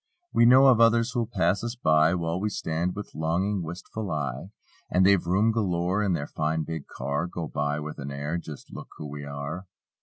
We know of others who'll pass us by. While we stand with longing, wistful eye; And they've room galore in their fine big car. Go by with an air: "Just look who we are."